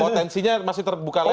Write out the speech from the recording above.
potensinya masih terbuka lagi